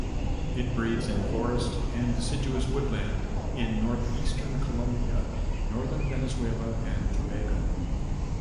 It breeds in forest and deciduous woodland in northeastern Colombia, northern Venezuela and Tobago.